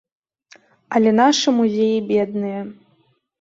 Але нашы музеі бедныя.